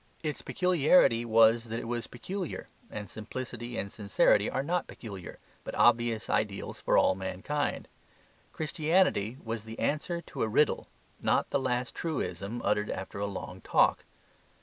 Its peculiarity was that it was peculiar, and simplicity and sincerity are not peculiar, but obvious ideals for all mankind. Christianity was the answer to a riddle, not the last truism uttered after a long talk.